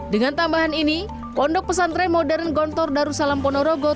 dengan tambahan ini pondok pesantren modern gontor darussalam ponorogo